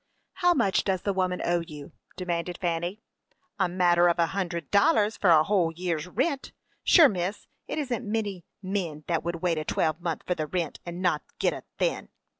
"How much does the woman owe you?" demanded Fanny. "A matther of a hundred dollars for a whole year's rint. Sure, miss, it isn't many min that would wait a twelvemonth for the rint, and not get it thin."